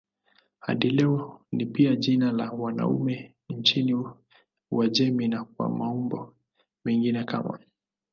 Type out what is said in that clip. Hadi leo ni pia jina la wanaume nchini Uajemi na kwa maumbo mengine kama